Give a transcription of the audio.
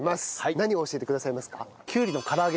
何を教えてくださいますか？